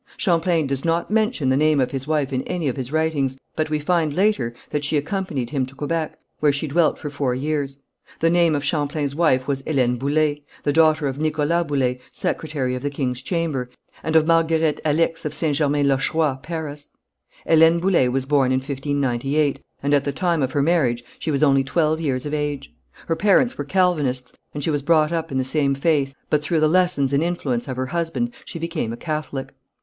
Champlain does not mention the name of his wife in any of his writings, but we find later that she accompanied him to Quebec, where she dwelt for four years. The name of Champlain's wife was Hélène Boullé, the daughter of Nicholas Boullé, secretary of the king's chamber, and of Marguerite Alix of St. Germain l'Auxerrois, Paris. Hélène Boullé was born in 1598, and at the time of her marriage she was only twelve years of age. Her parents were Calvinists, and she was brought up in the same faith, but through the lessons and influence of her husband she became a Catholic.